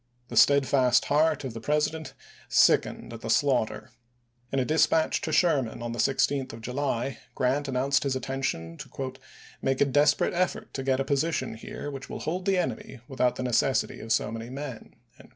The steadfast heart of the Presi dent sickened at the slaughter. In a dispatch to 1864. Sherman, on the 16th of July, Grant announced his intention to " make a desperate effort to get a position here which will hold the enemy without the necessity of so many men."